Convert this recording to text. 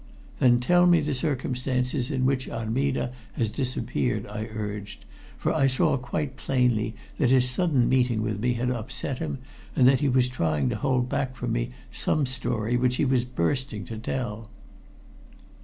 "Then tell me the circumstances In which Armida has disappeared," I urged, for I saw quite plainly that his sudden meeting with me had upset him, and that he was trying to hold back from me some story which he was bursting to tell.